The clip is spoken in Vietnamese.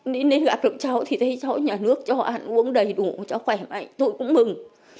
nên gặp được cháu thì thấy cháu nhà nước cháu ăn uống đầy đủ cháu khỏe mạnh tôi cũng mừng